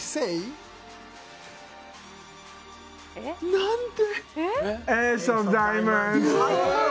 なんで。